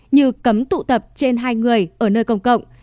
như cấm tụ tập trên hai người ở nơi công cộng